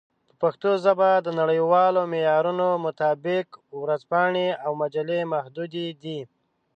په پښتو ژبه د نړیوالو معیارونو مطابق ورځپاڼې او مجلې محدودې دي.